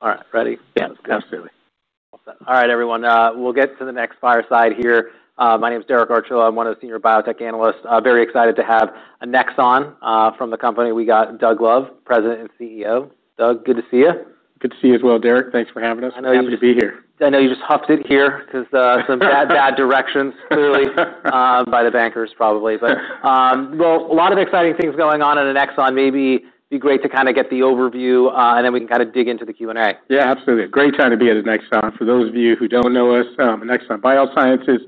All right, ready? Yeah, absolutely. Awesome. All right, everyone, we'll get to the next fireside here. My name is Derek Archila. I'm one of the senior biotech analysts. Very excited to have Annexon. From the company, we got Doug Love, President and CEO. Doug, good to see you. Good to see you as well, Derek. Thanks for having us. I know you- Happy to be here. I know you just huffed in here because some bad, bad directions, clearly, by the bankers, probably. But well, a lot of exciting things going on in Annexon. Maybe be great to kind of get the overview, and then we can kind of dig into the Q&A. Yeah, absolutely. Great time to be at Annexon. For those of you who don't know us, Annexon Biosciences,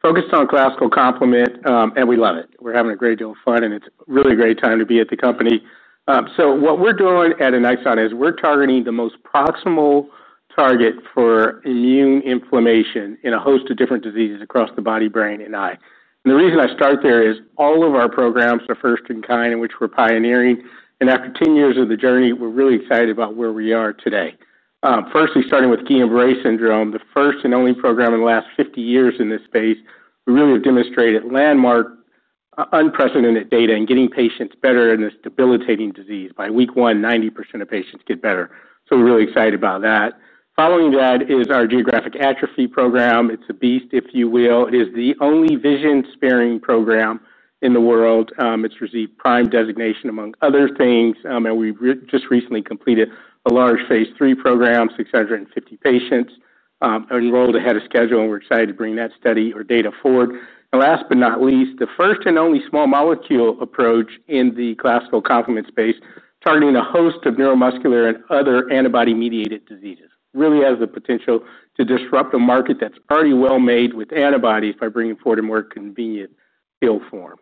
focused on classical complement, and we love it. We're having a great deal of fun, and it's a really great time to be at the company. So what we're doing at Annexon is we're targeting the most proximal target for immune inflammation in a host of different diseases across the body, brain, and eye. And the reason I start there is all of our programs are first in kind, in which we're pioneering, and after 10 years of the journey, we're really excited about where we are today. Firstly, starting with Guillain-Barré syndrome, the first and only program in the last 50 years in this space, we really have demonstrated landmark, unprecedented data in getting patients better in this debilitating disease. By week one, 90% of patients get better, so we're really excited about that. Following that is our geographic atrophy program. It's a beast, if you will. It is the only vision-sparing program in the world. It's received PRIME designation, among other things, and we just recently completed a large phase III program, 650 patients, enrolled ahead of schedule, and we're excited to bring that study or data forward, and last but not least, the first and only small molecule approach in the classical complement space, targeting a host of neuromuscular and other antibody-mediated diseases. Really has the potential to disrupt a market that's already well-made with antibodies by bringing forward a more convenient pill form,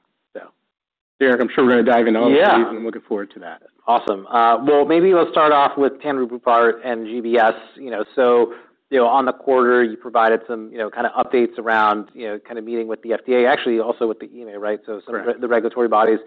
so, Derek, I'm sure we're going to dive into all of these- Yeah. and I'm looking forward to that. Awesome. Well, maybe let's start off with tanruprubart and GBS. You know, so, you know, on the quarter, you provided some, you know, kind of updates around, you know, kind of meeting with the FDA, actually, also with the EMA, right? Correct. So, sort of the regulatory bodies.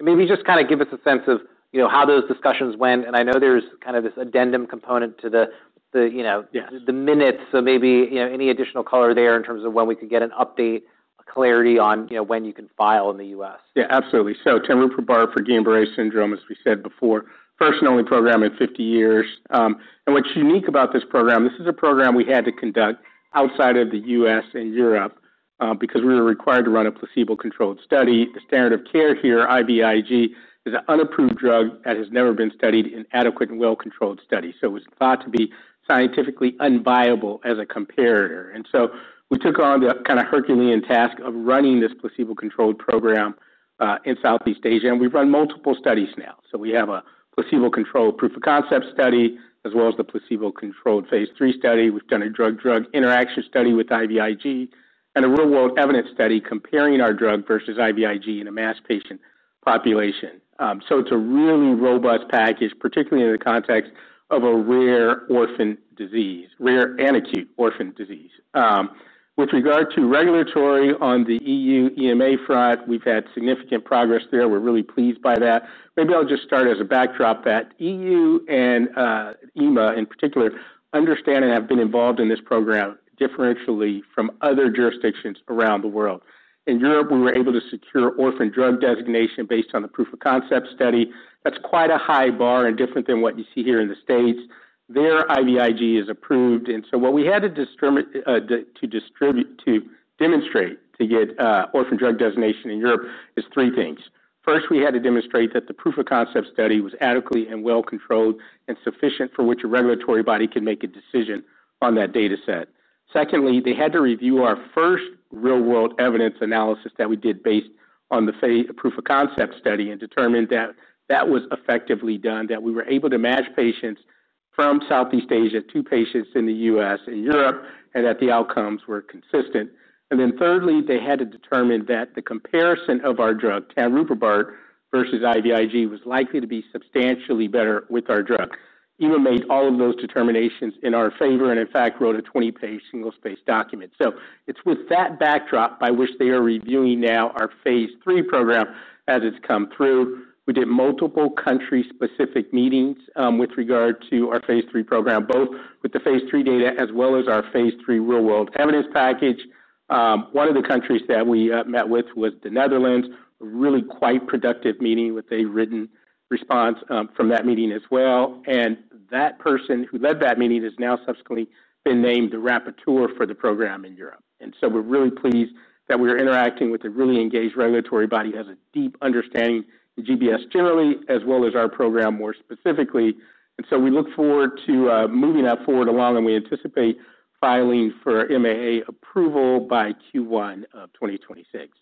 Maybe just kind of give us a sense of, you know, how those discussions went, and I know there's kind of this addendum component to the, you know- Yes - the minutes, so maybe, you know, any additional color there in terms of when we could get an update, clarity on, you know, when you can file in the U.S? Yeah, absolutely. So tanruprubart for Guillain-Barré syndrome, as we said before, first and only program in fifty years, and what's unique about this program, this is a program we had to conduct outside of the U.S. and Europe, because we were required to run a placebo-controlled study. The standard of care here, IVIG, is an unapproved drug that has never been studied in adequate and well-controlled studies. So it was thought to be scientifically unviable as a comparator, and so we took on the kind of Herculean task of running this placebo-controlled program, in Southeast Asia, and we've run multiple studies now, so we have a placebo-controlled proof of concept study, as well as the placebo-controlled phase III study. We've done a drug-drug interaction study with IVIG and a real-world evidence study comparing our drug versus IVIG in a mass patient population. So it's a really robust package, particularly in the context of a rare orphan disease, rare and acute orphan disease. With regard to regulatory on the EU/EMA front, we've had significant progress there. We're really pleased by that. Maybe I'll just start as a backdrop that EU and EMA, in particular, understand and have been involved in this program differentially from other jurisdictions around the world. In Europe, we were able to secure orphan drug designation based on the proof of concept study. That's quite a high bar and different than what you see here in the States. Their IVIG is approved, and so what we had to distribute, to demonstrate, to get orphan drug designation in Europe is three things. First, we had to demonstrate that the proof of concept study was adequately and well-controlled and sufficient for which a regulatory body can make a decision on that data set. Secondly, they had to review our first real-world evidence analysis that we did based on the phase proof of concept study, and determine that that was effectively done, that we were able to match patients from Southeast Asia to patients in the U.S. and Europe, and that the outcomes were consistent. And then thirdly, they had to determine that the comparison of our drug, tanruprubart, versus IVIG, was likely to be substantially better with our drug. EMA made all of those determinations in our favor and, in fact, wrote a twenty-page, single-spaced document. So it's with that backdrop by which they are reviewing now our phase III program as it's come through. We did multiple country-specific meetings with regard to our phase III program, both with the phase III data as well as our phase III real-world evidence package. One of the countries that we met with was the Netherlands, really quite productive meeting with a written response from that meeting as well, and that person who led that meeting has now subsequently been named the Rapporteur for the program in Europe, and so we're really pleased that we're interacting with a really engaged regulatory body, has a deep understanding of GBS generally, as well as our program more specifically, and so we look forward to moving that forward along, and we anticipate filing for MAA approval by Q1 of 2026.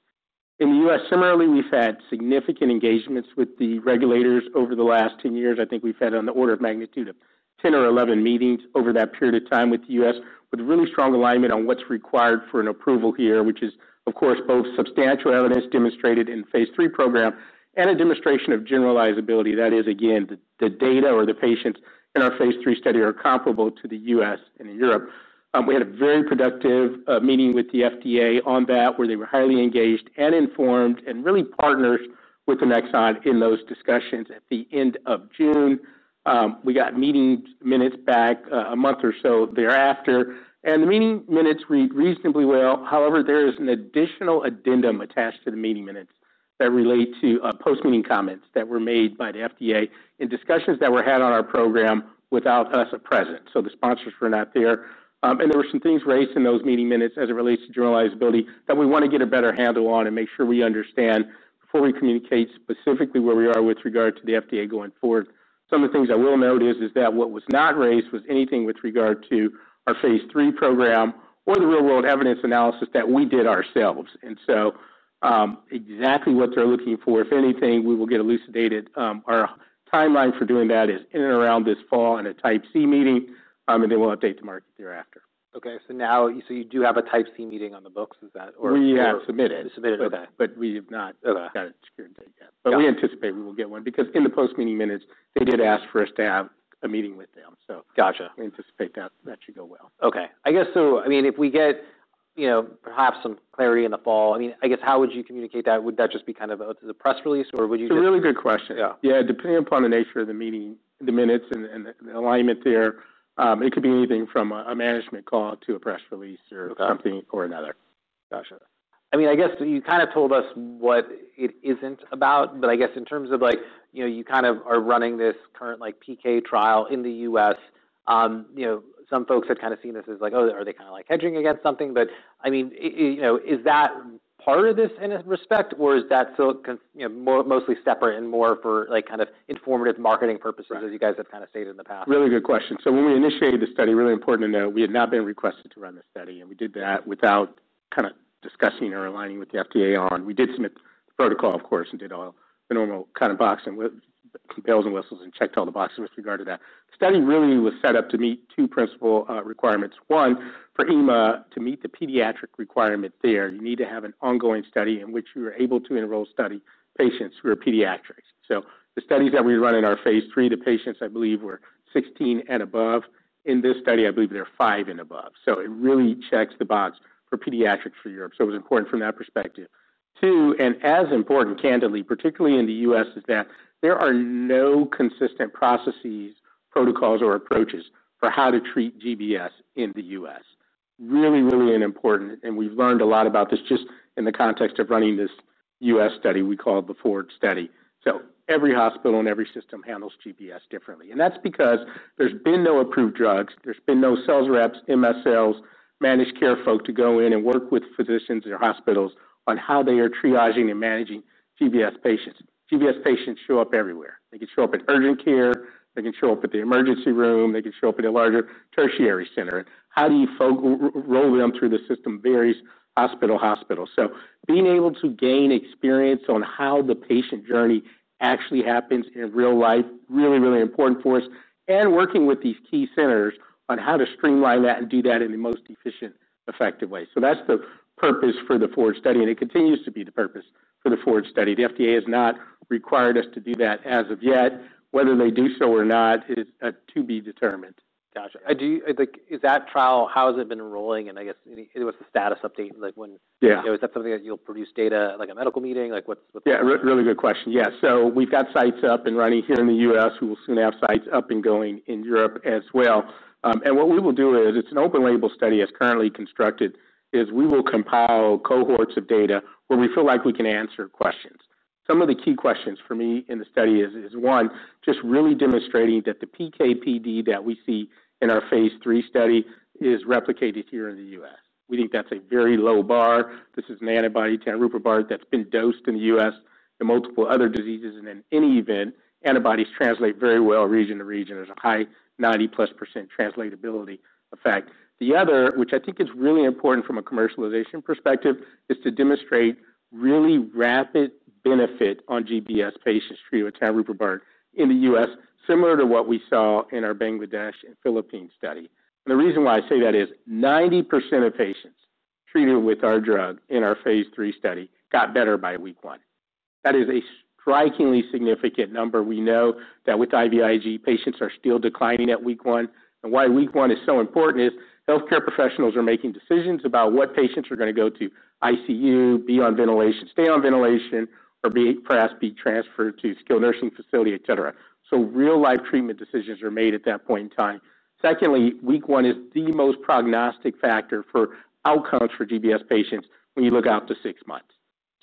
In the U.S., similarly, we've had significant engagements with the regulators over the last 10 years. I think we've had on the order of magnitude of 10 or 11 meetings over that period of time with the U.S., with really strong alignment on what's required for an approval here, which is, of course, both substantial evidence demonstrated in phase 3 program and a demonstration of generalizability. That is, again, the, the data or the patients in our phase III study are comparable to the U.S. and Europe. We had a very productive meeting with the FDA on that, where they were highly engaged and informed and really partners with Annexon in those discussions. At the end of June, we got meeting minutes back, a month or so thereafter, and the meeting minutes read reasonably well. However, there is an additional addendum attached to the meeting minutes that relate to post-meeting comments that were made by the FDA in discussions that were had on our program without us present, so the sponsors were not there. And there were some things raised in those meeting minutes as it relates to generalizability that we want to get a better handle on and make sure we understand before we communicate specifically where we are with regard to the FDA going forward. Some of the things I will note is that what was not raised was anything with regard to our phase III program or the real-world evidence analysis that we did ourselves. And so, exactly what they're looking for, if anything, we will get elucidated. Our timeline for doing that is in and around this fall in a Type C meeting, and then we'll update the market thereafter. Okay, so now, so you do have a Type C meeting on the books, is that or- We have submitted. Submitted, okay. We have not- Okay. Got a secure date yet? Got it. But we anticipate we will get one, because in the post-meeting minutes, they did ask for us to have a meeting with them, so. Gotcha. We anticipate that should go well. Okay. I guess, so, I mean, if we get, you know, perhaps some clarity in the fall, I mean, I guess, how would you communicate that? Would that just be kind of a, the press release, or would you just- It's a really good question. Yeah. Yeah, depending upon the nature of the meeting, the minutes and the alignment there, it could be anything from a management call to a press release or- Okay -something or another. Gotcha. I mean, I guess you kind of told us what it isn't about, but I guess in terms of like, you know, you kind of are running this current, like, PK trial in the U.S. You know, some folks have kind of seen this as like, "Oh, are they kind of, like, hedging against something?" But I mean, I, you know, is that part of this in a respect, or is that still con... you know, more, mostly separate and more for, like, kind of informative marketing purposes- Right -as you guys have kind of stated in the past? Really good question. So when we initiated the study, really important to note, we had not been requested to run the study, and we did that without kind of discussing or aligning with the FDA on. We did submit the protocol, of course, and did all the normal kind of boxing with bells and whistles and checked all the boxes with regard to that. The study really was set up to meet two principal requirements. One, for EMA, to meet the pediatric requirement there, you need to have an ongoing study in which we were able to enroll study patients who are pediatrics. So the studies that we run in our phase III, the patients, I believe, were sixteen and above. In this study, I believe they're five and above, so it really checks the box for pediatrics for Europe. So it was important from that perspective. Two, and as important, candidly, particularly in the U.S., is that there are no consistent processes, protocols, or approaches for how to treat GBS in the U.S. Really, really important, and we've learned a lot about this just in the context of running this U.S. study we call the FORWARD study. So every hospital and every system handles GBS differently, and that's because there's been no approved drugs. There's been no sales reps, MSLs, managed care folk to go in and work with physicians or hospitals on how they are triaging and managing GBS patients. GBS patients show up everywhere. They can show up at urgent care. They can show up at the emergency room. They can show up at a larger tertiary center. How do you funnel them through the system varies hospital to hospital. Being able to gain experience on how the patient journey actually happens in real life, really, really important for us, and working with these key centers on how to streamline that and do that in the most efficient, effective way. So that's the purpose for the FORWARD study, and it continues to be the purpose for the FORWARD study. The FDA has not required us to do that as of yet. Whether they do so or not is to be determined. Gotcha. Like, is that trial, how has it been enrolling? And I guess, any, what's the status update, like, when? Yeah. You know, is that something that you'll produce data at, like, a medical meeting? Like, what's, what's- Yeah, really good question. Yeah, so we've got sites up and running here in the U.S. We will soon have sites up and going in Europe as well. And what we will do is, it's an open-label study, as currently constructed, is we will compile cohorts of data where we feel like we can answer questions. Some of the key questions for me in the study is, one, just really demonstrating that the PK/PD that we see in our phase III study is replicated here in the U.S. We think that's a very low bar. This is an antibody, tanruprubart, that's been dosed in the U.S. for multiple other diseases, and in any event, antibodies translate very well region to region. There's a high 90%+ translatability effect. The other, which I think is really important from a commercialization perspective, is to demonstrate really rapid benefit on GBS patients treated with tanruprubart in the U.S., similar to what we saw in our Bangladesh and Philippines study. And the reason why I say that is 90% of patients treated with our drug in our phase III study got better by week one. That is a strikingly significant number. We know that with IVIG, patients are still declining at week one, and why week one is so important is healthcare professionals are making decisions about what patients are going to go to ICU, be on ventilation, stay on ventilation, or be, perhaps, transferred to skilled nursing facility, et cetera, so real-life treatment decisions are made at that point in time. Secondly, week one is the most prognostic factor for outcomes for GBS patients when you look out to six months.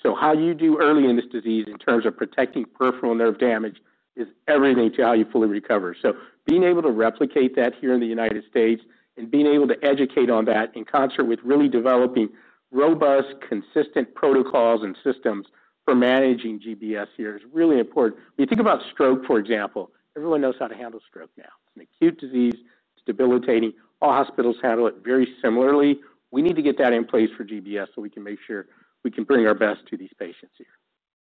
So how you do early in this disease in terms of protecting peripheral nerve damage is everything to how you fully recover. So being able to replicate that here in the United States and being able to educate on that in concert with really developing robust, consistent protocols and systems for managing GBS here is really important. When you think about stroke, for example, everyone knows how to handle stroke now. It's an acute disease, it's debilitating. All hospitals handle it very similarly. We need to get that in place for GBS, so we can make sure we can bring our best to these patients here.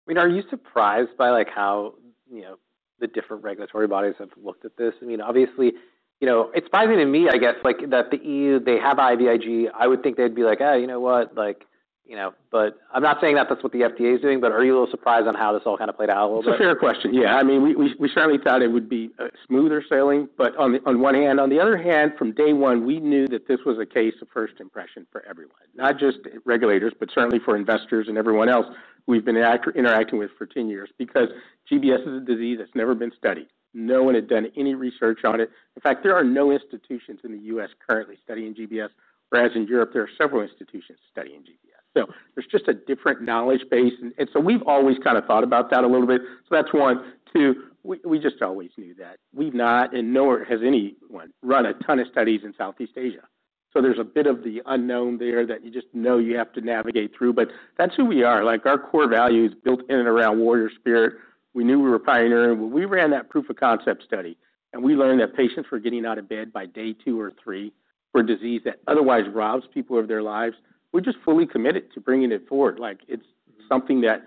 I mean, are you surprised by, like, how, you know, the different regulatory bodies have looked at this? I mean, obviously, you know, it's surprising to me, I guess, like, that the EU, they have IVIG. I would think they'd be like: "Uh, you know what? Like, you know..." But I'm not saying that that's what the FDA is doing, but are you a little surprised on how this all kind of played out a little bit? It's a fair question. Yeah, I mean, we certainly thought it would be smoother sailing, but on the one hand, on the other hand, from day one, we knew that this was a case of first impression for everyone, not just regulators, but certainly for investors and everyone else we've been interacting with for ten years. Because GBS is a disease that's never been studied. No one had done any research on it. In fact, there are no institutions in the U.S. currently studying GBS, whereas in Europe, there are several institutions studying GBS. So there's just a different knowledge base, and so we've always kind of thought about that a little bit. So that's one. Two, we just always knew that. We've not, and nor has anyone, run a ton of studies in Southeast Asia. So there's a bit of the unknown there that you just know you have to navigate through, but that's who we are. Like, our core value is built in and around warrior spirit. We knew we were pioneering when we ran that proof of concept study, and we learned that patients were getting out of bed by day two or three for a disease that otherwise robs people of their lives. We're just fully committed to bringing it forward. Like, it's something that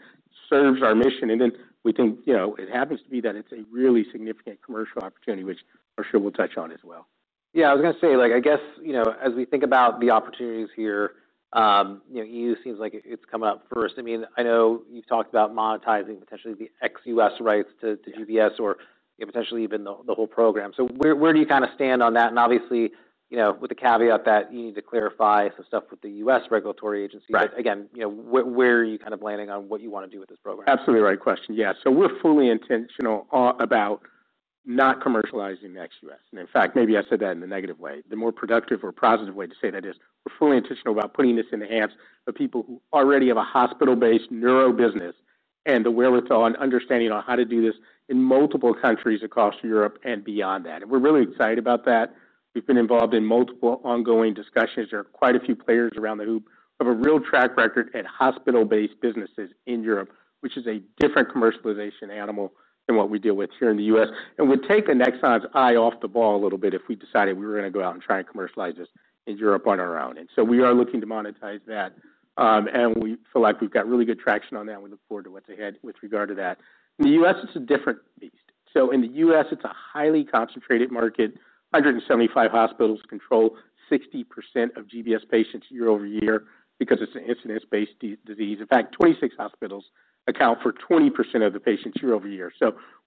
serves our mission, and then we think, you know, it happens to be that it's a really significant commercial opportunity, which I'm sure we'll touch on as well. Yeah, I was gonna say, like, I guess, you know, as we think about the opportunities here, you know, EU seems like it's come up first. I mean, I know you've talked about monetizing potentially the ex U.S. rights to, to GBS- Yeah or potentially even the whole program. So where do you kind of stand on that? And obviously, you know, with the caveat that you need to clarify some stuff with the U.S. regulatory agencies. Right. But again, you know, where are you kind of landing on what you want to do with this program? Absolutely the right question. Yeah, so we're fully intentional about not commercializing ex-U.S. And in fact, maybe I said that in a negative way. The more productive or positive way to say that is, we're fully intentional about putting this in the hands of people who already have a hospital-based neuro business and the wherewithal and understanding on how to do this in multiple countries across Europe and beyond that. And we're really excited about that. We've been involved in multiple ongoing discussions. There are quite a few players around the hoop who have a real track record at hospital-based businesses in Europe, which is a different commercialization animal than what we deal with here in the U.S. It would take Annexon's eye off the ball a little bit if we decided we were gonna go out and try and commercialize this in Europe on our own, and so we are looking to monetize that. We feel like we've got really good traction on that, and we look forward to what's ahead with regard to that. In the U.S., it's a different beast. In the U.S., it's a highly concentrated market. 175 hospitals control 60% of GBS patients year-over-year because it's an incidence-based disease. In fact, 26 hospitals account for 20% of the patients year-over-year.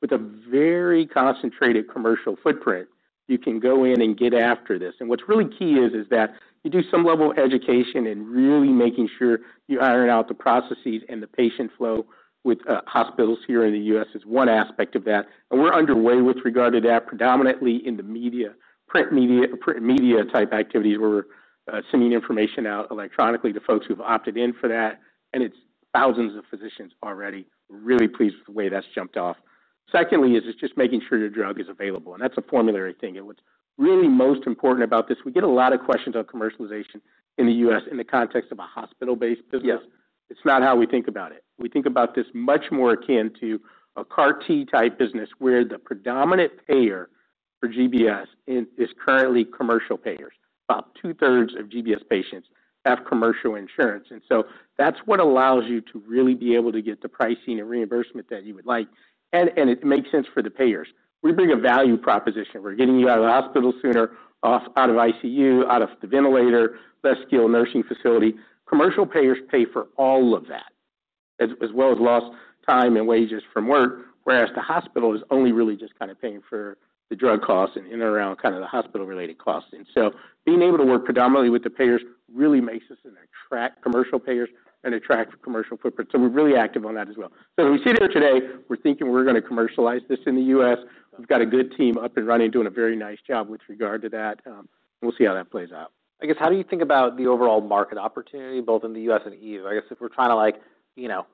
With a very concentrated commercial footprint, you can go in and get after this. And what's really key is that you do some level of education and really making sure you iron out the processes and the patient flow with hospitals here in the U.S. is one aspect of that. And we're underway with regard to that, predominantly in the media, print media, print media-type activities. We're sending information out electronically to folks who've opted in for that, and it's thousands of physicians already. Really pleased with the way that's jumped off. Secondly, is it's just making sure your drug is available, and that's a formulary thing. And what's really most important about this, we get a lot of questions on commercialization in the U.S. in the context of a hospital-based business. Yeah. It's not how we think about it. We think about this much more akin to a CAR T-type business, where the predominant payer for GBS is currently commercial payers. About two-thirds of GBS patients have commercial insurance, and so that's what allows you to really be able to get the pricing and reimbursement that you would like, and it makes sense for the payers. We bring a value proposition. We're getting you out of the hospital sooner, out of ICU, out of the ventilator, less skilled nursing facility. Commercial payers pay for all of that, as well as lost time and wages from work, whereas the hospital is only really just kind of paying for the drug costs and in and around kind of the hospital-related costs. And so, being able to work predominantly with the payers really makes us attract commercial payers and attract commercial footprint. So, we're really active on that as well. So, as we sit here today, we're thinking we're gonna commercialize this in the U.S. We've got a good team up and running, doing a very nice job with regard to that. We'll see how that plays out. I guess, how do you think about the overall market opportunity, both in the U.S. and EU? I guess if we're trying to like, you know,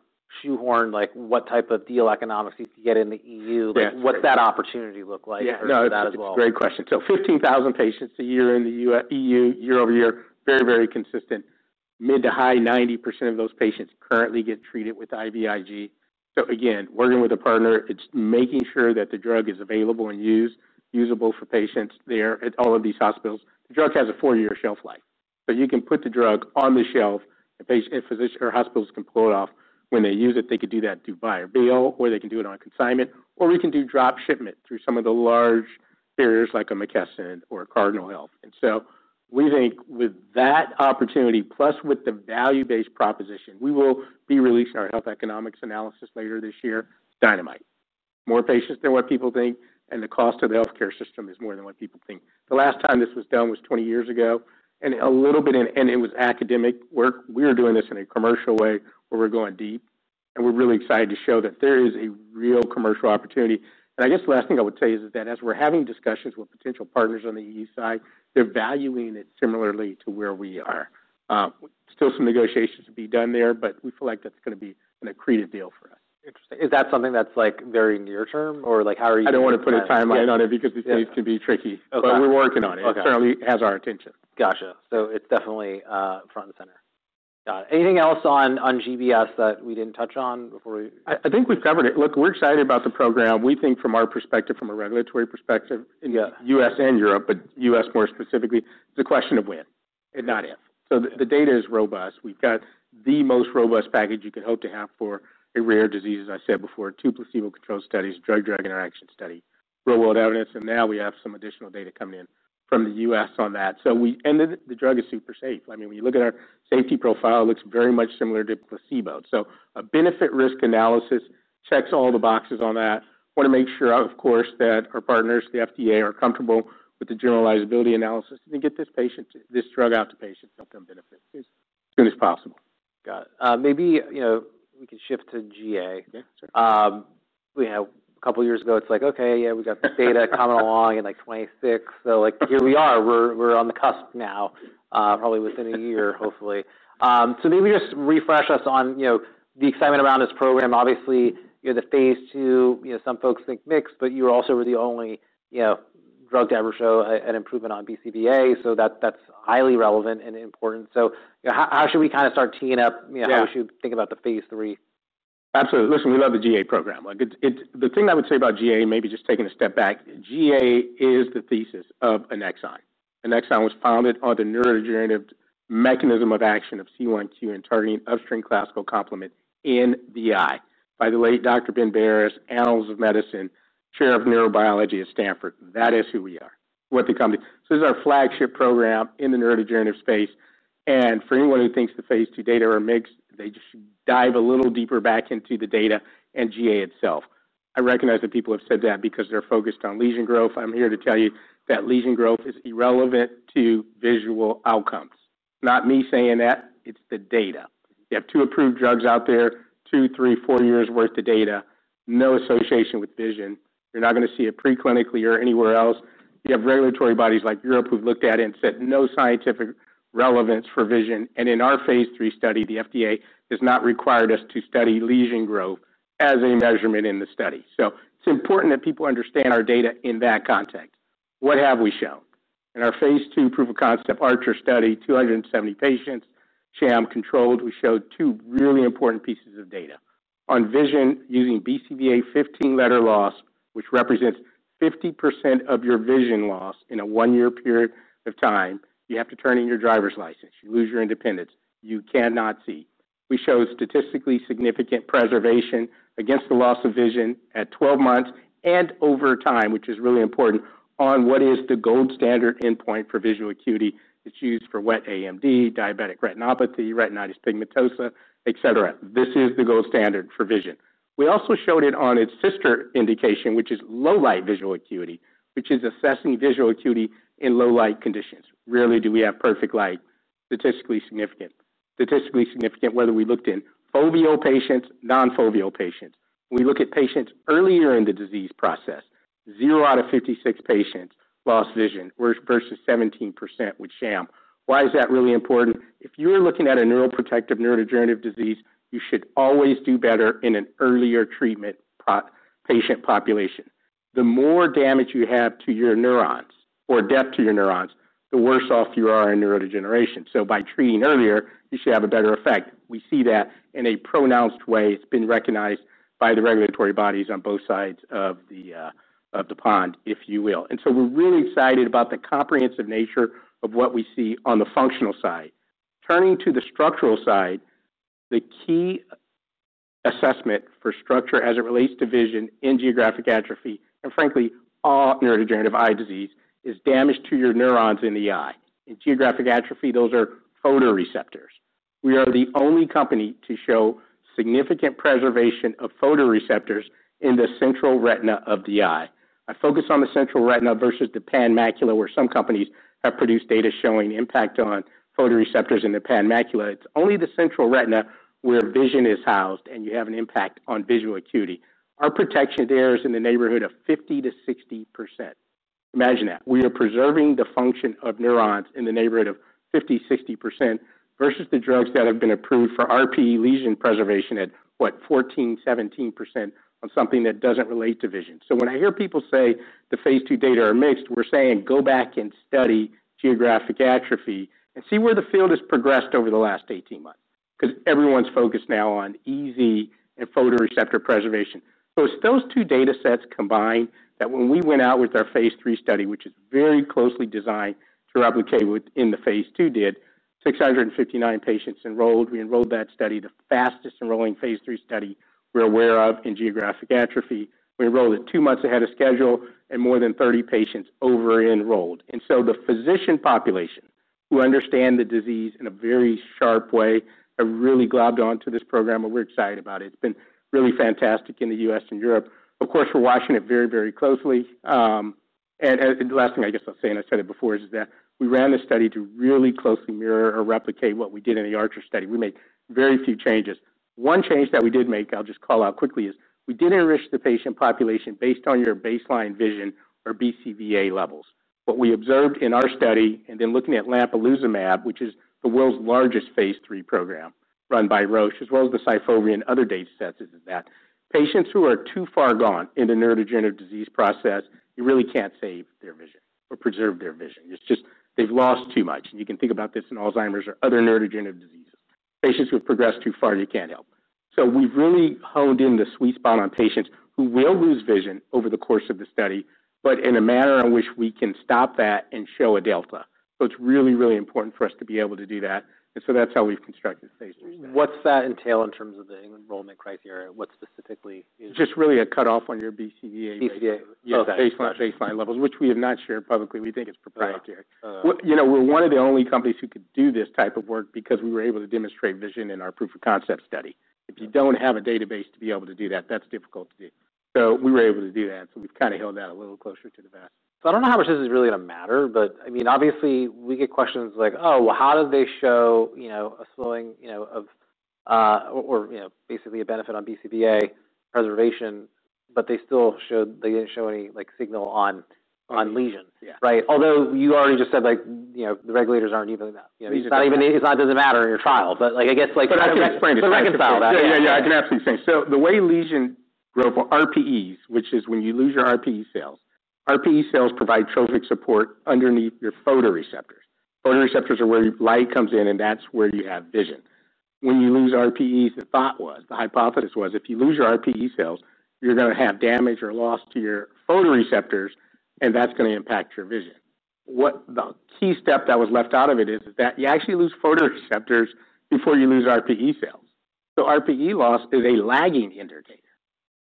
shoehorn, like, what type of deal economics you could get in the EU- Yeah. What's that opportunity look like for that as well? Yeah. No, it's a great question. So 15,000 patients a year in the EU, year-over-year, very, very consistent. Mid- to high 90% of those patients currently get treated with IVIG. So again, working with a partner, it's making sure that the drug is available and used, usable for patients there at all of these hospitals. The drug has a four-year shelf life, so you can put the drug on the shelf, and patient and physician or hospitals can pull it off. When they use it, they could do that through buy-and-bill, or they can do it on consignment, or we can do drop shipment through some of the large carriers, like a McKesson or Cardinal Health. And so we think with that opportunity, plus with the value-based proposition, we will be releasing our health economics analysis later this year. Dynamite. More patients than what people think, and the cost to the healthcare system is more than what people think. The last time this was done was twenty years ago, and it was academic work. We are doing this in a commercial way, where we're going deep, and we're really excited to show that there is a real commercial opportunity. And I guess the last thing I would say is that as we're having discussions with potential partners on the EU side, they're valuing it similarly to where we are. Still some negotiations to be done there, but we feel like that's gonna be an accretive deal for us. Interesting. Is that something that's, like, very near term, or, like, how are you- I don't want to put a timeline on it- Yeah - because these things can be tricky. Okay. But we're working on it. Okay. It certainly has our attention. Gotcha. So it's definitely, front and center. Got it. Anything else on GBS that we didn't touch on before we- I think we've covered it. Look, we're excited about the program. We think from our perspective, from a regulatory perspective. Yeah In the U.S. and Europe, but U.S. more specifically, it's a question of when and not if. So the data is robust. We've got the most robust package you could hope to have for a rare disease, as I said before, two placebo-controlled studies, drug-drug interaction study, real-world evidence, and now we have some additional data coming in from the U.S. on that. And the drug is super safe. I mean, when you look at our safety profile, it looks very much similar to placebo. So a benefit-risk analysis checks all the boxes on that. We want to make sure, of course, that our partners, the FDA, are comfortable with the generalizability analysis, and then get this drug out to patients to benefit as soon as possible. Got it. Maybe, you know, we can shift to GA. Okay, sure. You know, a couple of years ago, it's like, okay, yeah, we got this data coming along in, like, 2026. So, like, here we are. We're on the cusp now, probably within a year, hopefully. So maybe just refresh us on, you know, the excitement around this program. Obviously, you're the phase II, you know, some folks think mixed, but you also were the only drug to ever show a, an improvement on BCVA, so that, that's highly relevant and important. So, how should we kind of start teeing up- Yeah. You know, how we should think about the phase III? Absolutely. Listen, we love the GA program. Like, it's the thing I would say about GA, maybe just taking a step back. GA is the thesis of Annexon. Annexon was founded on the neurodegenerative mechanism of action of C1q and targeting upstream classical complement in the eye by the late Dr. Ben Barres, chair of neurobiology at Stanford. That is who we are, what the company... So this is our flagship program in the neurodegenerative space, and for anyone who thinks the phase 2 data are mixed, they just should dive a little deeper back into the data and GA itself. I recognize that people have said that because they're focused on lesion growth. I'm here to tell you that lesion growth is irrelevant to visual outcomes. Not me saying that, it's the data. You have two approved drugs out there, two, three, four years' worth of data, no association with vision. You're not gonna see it preclinically or anywhere else. You have regulatory bodies like Europe, who've looked at it and said, "No scientific relevance for vision." And in our phase III study, the FDA has not required us to study lesion growth as a measurement in the study. So it's important that people understand our data in that context. What have we shown? In our phase II proof of concept ARCHER study, two hundred and seventy patients, sham controlled, we showed two really important pieces of data. On vision, using BCVA fifteen letter loss, which represents 50% of your vision loss in a one-year period of time, you have to turn in your driver's license. You lose your independence. You cannot see. We showed statistically significant preservation against the loss of vision at 12 months and over time, which is really important, on what is the gold standard endpoint for visual acuity. It's used for wet AMD, diabetic retinopathy, retinitis pigmentosa, et cetera. This is the gold standard for vision. We also showed it on its sister indication, which is low light visual acuity, which is assessing visual acuity in low light conditions. Rarely do we have perfect light, statistically significant. Statistically significant, whether we looked in foveal patients, non-foveal patients. When we look at patients earlier in the disease process, 0 out of 56 patients lost vision, versus 17% with sham. Why is that really important? If you are looking at a neuroprotective, neurodegenerative disease, you should always do better in an earlier treatment patient population. The more damage you have to your neurons or depth to your neurons, the worse off you are in neurodegeneration. So by treating earlier, you should have a better effect. We see that in a pronounced way. It's been recognized by the regulatory bodies on both sides of the pond, if you will. We're really excited about the comprehensive nature of what we see on the functional side. Turning to the structural side, the key assessment for structure as it relates to vision in geographic atrophy, and frankly, all neurodegenerative eye disease, is damage to your neurons in the eye. In geographic atrophy, those are photoreceptors. We are the only company to show significant preservation of photoreceptors in the central retina of the eye. I focus on the central retina versus the pan macula, where some companies have produced data showing impact on photoreceptors in the pan macula. It's only the central retina where vision is housed, and you have an impact on visual acuity. Our protection there is in the neighborhood of 50%-60%. Imagine that. We are preserving the function of neurons in the neighborhood of 50%-60% versus the drugs that have been approved for RPE lesion preservation at, what, 14%-17% on something that doesn't relate to vision. So when I hear people say the phase II data are mixed, we're saying, "Go back and study geographic atrophy and see where the field has progressed over the last eighteen months." 'Cause everyone's focused now on RPE and photoreceptor preservation. It's those two data sets combined, that when we went out with our phase III study, which is very closely designed to replicate what in the phase II did, 659 patients enrolled. We enrolled that study, the fastest enrolling phase III study we're aware of in geographic atrophy. We enrolled it two months ahead of schedule, and more than 30 patients over enrolled. And so the physician population, who understand the disease in a very sharp way, have really globbed on to this program, and we're excited about it. It's been really fantastic in the U.S. and Europe. Of course, we're watching it very, very closely. And the last thing I guess I'll say, and I said it before, is that we ran this study to really closely mirror or replicate what we did in the ARCHER study. We made very few changes. One change that we did make, I'll just call out quickly, is we did enrich the patient population based on your baseline vision or BCVA levels. What we observed in our study, and then looking at Lampalizumab, which is the world's largest phase III program, run by Roche, as well as the Syfovre and other datasets, is that patients who are too far gone in the neurodegenerative disease process, you really can't save their vision or preserve their vision. It's just they've lost too much, and you can think about this in Alzheimer's or other neurodegenerative diseases. Patients who have progressed too far, you can't help. So we've really honed in the sweet spot on patients who will lose vision over the course of the study, but in a manner in which we can stop that and show a delta. So it's really, really important for us to be able to do that, and so that's how we've constructed the phase III study. What's that entail in terms of the enrollment criteria? What specifically is- Just really a cutoff on your BCVA- BCVA. Yes, baseline, baseline levels, which we have not shared publicly. We think it's proprietary. You know, we're one of the only companies who could do this type of work because we were able to demonstrate vision in our proof of concept study. If you don't have a database to be able to do that, that's difficult to do. So we were able to do that, so we've kind of held that a little closer to the vest. So I don't know how much this is really gonna matter, but, I mean, obviously, we get questions like, "Oh, well, how did they show, you know, a slowing, you know, of, or, you know, basically a benefit on BCVA preservation, but they still showed, they didn't show any, like, signal on lesions? Yeah. Right? Although you already just said, like, you know, the regulators aren't even that- Lesions-... It's not even. It doesn't matter in your trial, but, like, I guess, like, I can explain. So let me ask about that. Yeah, yeah, yeah, I can absolutely say. So the way lesion growth or RPEs, which is when you lose your RPE cells. RPE cells provide trophic support underneath your photoreceptors. Photoreceptors are where light comes in, and that's where you have vision. When you lose RPEs, the thought was, the hypothesis was, if you lose your RPE cells, you're gonna have damage or loss to your photoreceptors, and that's gonna impact your vision. What the key step that was left out of it is, is that you actually lose photoreceptors before you lose RPE cells. So RPE loss is a lagging indicator.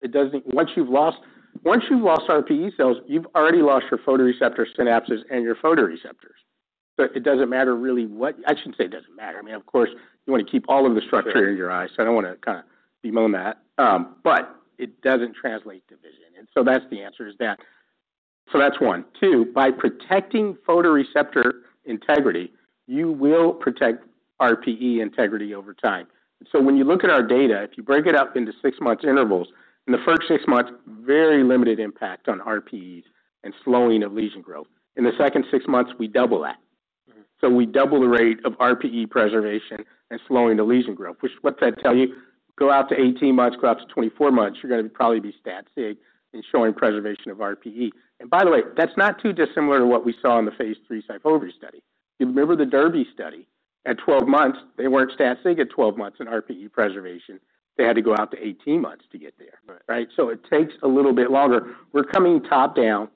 It doesn't. Once you've lost, once you've lost RPE cells, you've already lost your photoreceptor synapses and your photoreceptors. So it doesn't matter really what. I shouldn't say it doesn't matter. I mean, of course, you want to keep all of the structure in your eyes, so I don't want to kind of bemoan that, but it doesn't translate to vision, and so that's the answer, is that. So that's one. Two, by protecting photoreceptor integrity, you will protect RPE integrity over time. So when you look at our data, if you break it up into six-month intervals, in the first six months, very limited impact on RPEs and slowing of lesion growth. In the second six months, we double that. So we double the rate of RPE preservation and slowing the lesion growth, which, what does that tell you? Go out to eighteen months, go out to twenty-four months, you're gonna be probably be stat sig in showing preservation of RPE. And by the way, that's not too dissimilar to what we saw in the phase III Syfovre study. You remember the DERBY study. At twelve months, they weren't stat sig at twelve months in RPE preservation. They had to go out to eighteen months to get there. Right. Right? So it takes a little bit longer. We're coming top down,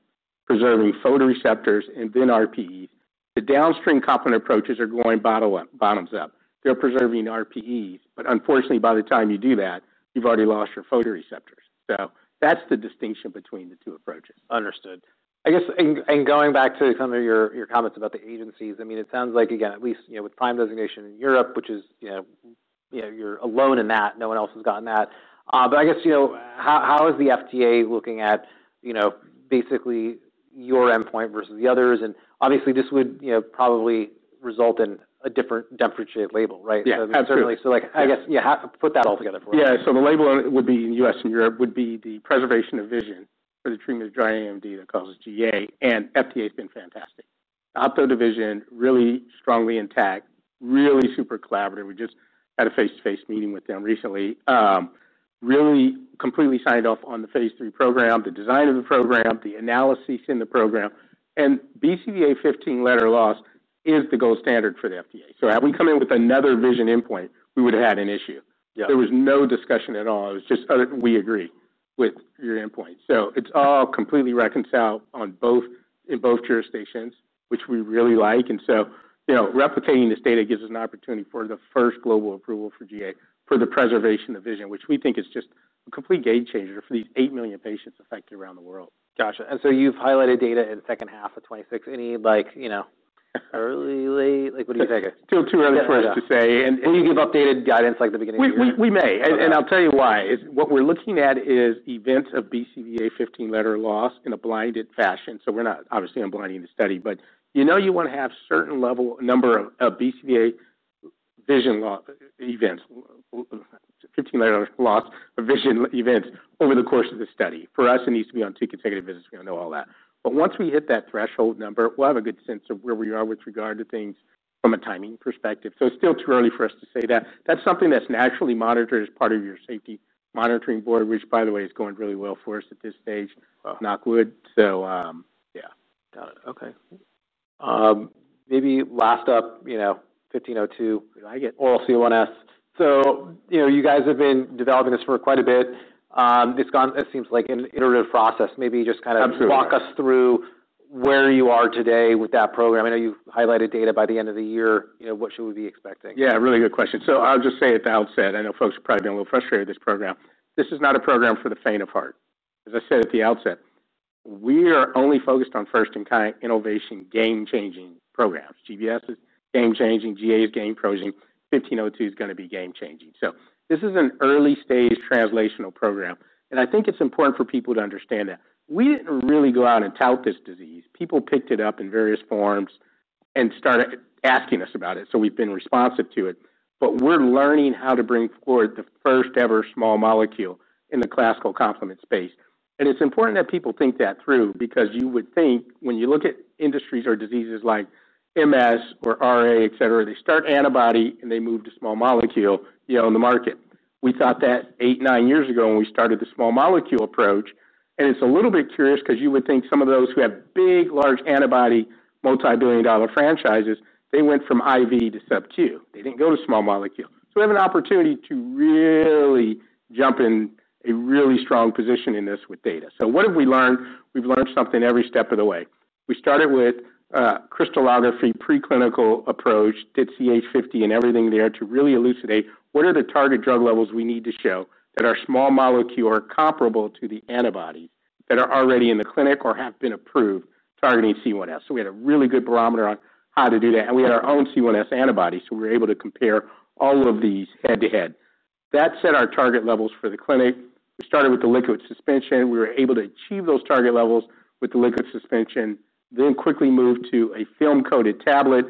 preserving photoreceptors and then RPE. The downstream complement approaches are going bottom up. They're preserving RPEs, but unfortunately, by the time you do that, you've already lost your photoreceptors. So that's the distinction between the two approaches. Understood. I guess, and going back to some of your comments about the agencies, I mean, it sounds like, again, at least, you know, with PRIME designation in Europe, which is, you know, you know, you're alone in that. No one else has gotten that. But I guess, you know, how is the FDA looking at, you know, basically your endpoint versus the others? And obviously, this would, you know, probably result in a different differentiated label, right? Yeah, absolutely. So like, I guess, yeah, put that all together for us. Yeah, so the label on it would be, in the U.S. and Europe, would be the preservation of vision for the treatment of dry AMD that causes GA, and FDA's been fantastic. Ophtho division, really strongly intact, really super collaborative. We just had a face-to-face meeting with them recently. Really completely signed off on the phase III program, the design of the program, the analyses in the program, and BCVA fifteen letter loss is the gold standard for the FDA. So had we come in with another vision endpoint, we would have had an issue. Yeah. There was no discussion at all. It was just, "We agree with your endpoint." So it's all completely reconciled on both, in both jurisdictions, which we really like, and so, you know, replicating this data gives us an opportunity for the first global approval for GA, for the preservation of vision, which we think is just a complete game changer for these eight million patients affected around the world. Gotcha, and so you've highlighted data in the second half of 2026. Any, like, you know, early, late? Like, what do you figure? Still too early for us to say, and- Will you give updated guidance, like, the beginning of the year? We may, and I'll tell you why. What we're looking at is events of BCVA 15-letter loss in a blinded fashion, so we're not obviously unblinding the study. But you know you want to have a certain level, number of BCVA vision loss events, 15-letter loss of vision events over the course of the study. For us, it needs to be on two consecutive visits. We know all that. But once we hit that threshold number, we'll have a good sense of where we are with regard to things from a timing perspective. So it's still too early for us to say that. That's something that's naturally monitored as part of your safety monitoring board, which, by the way, is going really well for us at this stage. Wow. Good. So, yeah. Got it. Okay. Maybe last up, you know, 1502. What did I get? Oral C1s. So, you know, you guys have been developing this for quite a bit. It's gone, it seems like, an iterative process. Maybe just kind of- Absolutely. Walk us through where you are today with that program. I know you've highlighted data by the end of the year. You know, what should we be expecting? Yeah, really good question. So I'll just say at the outset, I know folks have probably been a little frustrated with this program. This is not a program for the faint of heart. As I said at the outset, we are only focused on first-in-kind innovation, game-changing programs. GBS is game-changing. GA is game-changing. Fifteen oh two is gonna be game-changing. So this is an early-stage translational program, and I think it's important for people to understand that we didn't really go out and tout this disease. People picked it up in various forms and started asking us about it, so we've been responsive to it, but we're learning how to bring forward the first-ever small molecule in the classical complement space. And it's important that people think that through because you would think when you look at industries or diseases like MS or RA, et cetera, they start antibody, and they move to small molecule, you know, in the market. We thought that eight, nine years ago when we started the small molecule approach, and it's a little bit curious because you would think some of those who have big, large antibody, multi-billion-dollar franchises, they went from IV to subQ. They didn't go to small molecule. So we have an opportunity to really jump in a really strong position in this with data. So what have we learned? We've learned something every step of the way. We started with crystallography, preclinical approach, did CH50 and everything there to really elucidate what are the target drug levels we need to show that our small molecule are comparable to the antibody that are already in the clinic or have been approved targeting C1s, so we had a really good barometer on how to do that, and we had our own C1s antibody, so we were able to compare all of these head-to-head. That set our target levels for the clinic. We started with the liquid suspension. We were able to achieve those target levels with the liquid suspension, then quickly moved to a film-coated tablet.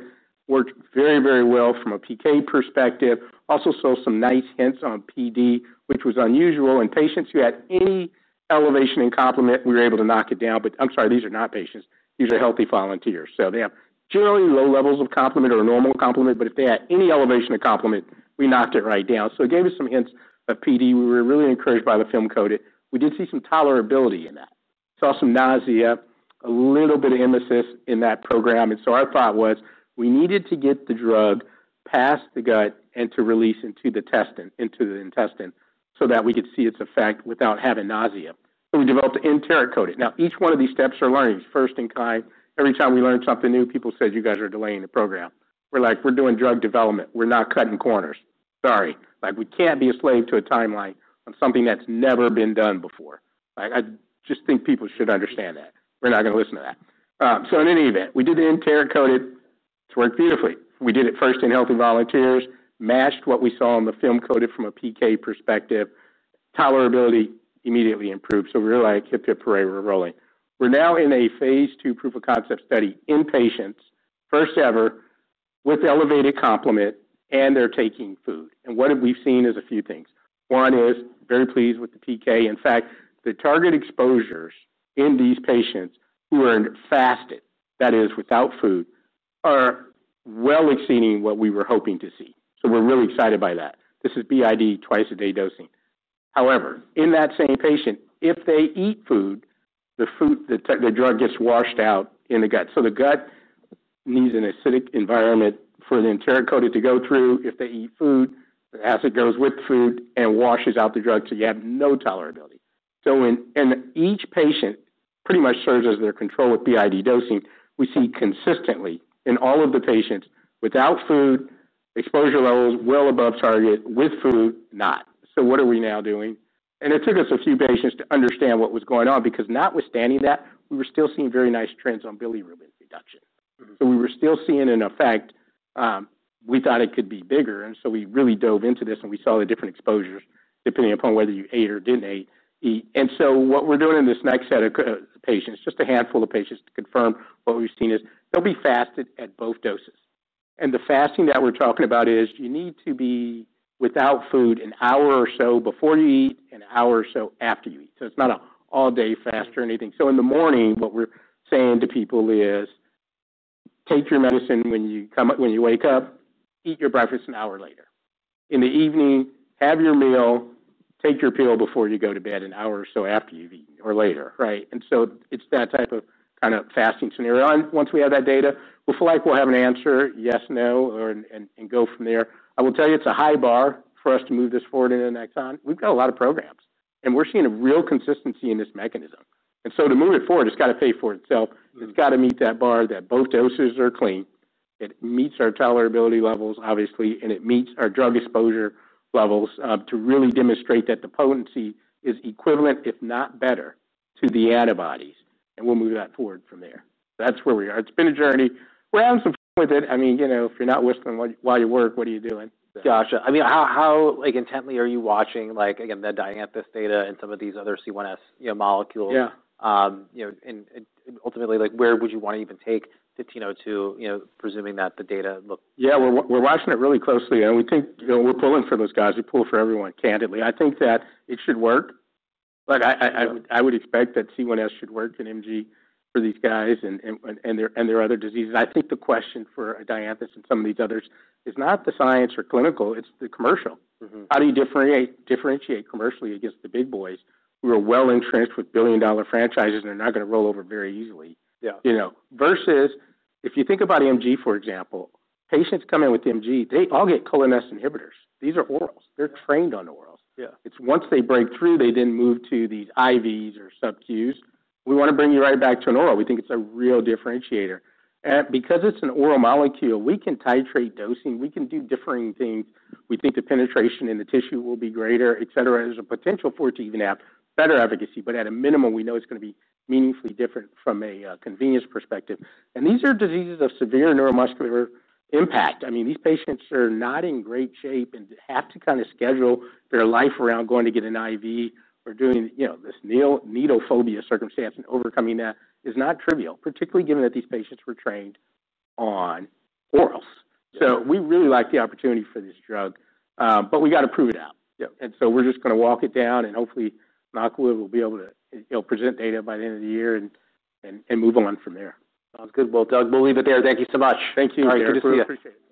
Worked very, very well from a PK perspective. Also saw some nice hints on PD, which was unusual, and patients who had any elevation in complement, we were able to knock it down, but I'm sorry, these are not patients. These are healthy volunteers, so they have generally low levels of complement or normal complement, but if they had any elevation of complement, we knocked it right down, so it gave us some hints of PD. We were really encouraged by the film coating. We did see some tolerability in that, saw some nausea, a little bit of emesis in that program, and so our thought was, we needed to get the drug past the gut and to release into the intestine, into the intestine, so that we could see its effect without having nausea, so we developed an enteric coating. Now, each one of these steps are learnings, first in kind. Every time we learned something new, people said, "You guys are delaying the program." We're like: We're doing drug development. We're not cutting corners. Sorry. Like, we can't be a slave to a timeline on something that's never been done before. I just think people should understand that. We're not gonna listen to that. So in any event, we did the enteric-coated. It worked beautifully. We did it first in healthy volunteers, matched what we saw on the film-coated from a PK perspective. Tolerability immediately improved, so we were like, hip, hip, hooray, we're rolling. We're now in a phase II proof of concept study in patients, first ever, with elevated complement, and they're taking food. And what we've seen is a few things. One is, very pleased with the PK. In fact, the target exposures in these patients who are fasted, that is, without food, are well exceeding what we were hoping to see. So we're really excited by that. This is BID, twice a day dosing. However, in that same patient, if they eat food, the food, the drug gets washed out in the gut. So the gut needs an acidic environment for the enteric-coated to go through. If they eat food, the acid goes with food and washes out the drug, so you have no tolerability. So when, and each patient pretty much serves as their control with BID dosing, we see consistently in all of the patients, without food, exposure levels well above target, with food, not. So what are we now doing? And it took us a few patients to understand what was going on, because notwithstanding that, we were still seeing very nice trends on bilirubin reduction. Mm-hmm. We were still seeing an effect. We thought it could be bigger, and so we really dove into this, and we saw the different exposures depending upon whether you ate or didn't eat. And so what we're doing in this next set of patients, just a handful of patients, to confirm what we've seen is they'll be fasted at both doses. And the fasting that we're talking about is, you need to be without food an hour or so before you eat, an hour or so after you eat. So it's not an all-day fast or anything. So in the morning, what we're saying to people is, "Take your medicine when you get up, when you wake up. Eat your breakfast an hour later. In the evening, have your meal, take your pill before you go to bed, an hour or so after you've eaten or later." Right? And so it's that type of, kind of fasting scenario. And once we have that data, we feel like we'll have an answer, yes, no, or, and, and go from there. I will tell you, it's a high bar for us to move this forward into the next time. We've got a lot of programs, and we're seeing a real consistency in this mechanism. And so to move it forward, it's got to pay for itself. It's got to meet that bar that both doses are clean, it meets our tolerability levels, obviously, and it meets our drug exposure levels, to really demonstrate that the potency is equivalent, if not better, to the antibodies, and we'll move that forward from there. That's where we are. It's been a journey. We're having some fun with it. I mean, you know, if you're not whistling while you work, what are you doing? Gotcha. I mean, how, like, intently are you watching, like, again, the Dianthus data and some of these other C1s, you know, molecules? Yeah. You know, and ultimately, like, where would you want to even take 1502, you know, presuming that the data look- Yeah, we're watching it really closely, and we think... You know, we're pulling for those guys. We pull for everyone, candidly. I think that it should work, but I would expect that C1s should work in MG for these guys and their other diseases. I think the question for Dianthus and some of these others is not the science or clinical, it's the commercial. Mm-hmm. How do you differentiate commercially against the big boys who are well-entrenched with billion-dollar franchises and are not gonna roll over very easily? Yeah. You know, versus if you think about MG, for example, patients come in with MG, they all get cholinesterase inhibitors. These are orals. They're trained on orals. Yeah. It's once they break through, they then move to these IVs or sub-Qs. We want to bring you right back to an oral. We think it's a real differentiator. And because it's an oral molecule, we can titrate dosing, we can do differing things. We think the penetration in the tissue will be greater, et cetera. There's a potential for it to even have better efficacy, but at a minimum, we know it's gonna be meaningfully different from a convenience perspective. And these are diseases of severe neuromuscular impact. I mean, these patients are not in great shape and have to kind of schedule their life around going to get an IV or doing, you know, this needle phobia circumstance and overcoming that is not trivial, particularly given that these patients were trained on orals. Yeah. So we really like the opportunity for this drug, but we got to prove it out. Yep. And so we're just gonna walk it down, and hopefully, Macula will be able to, you know, present data by the end of the year and move on from there. Sounds good. Well, Doug, we'll leave it there. Thank you so much. Thank you, Derek. All right. Appreciate it.